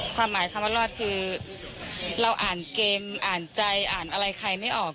ความหมายคำว่ารอดคือเราอ่านเกมอ่านใจอ่านอะไรใครไม่ออก